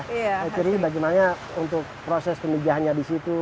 hatchery bagaimana untuk proses pemijahannya di situ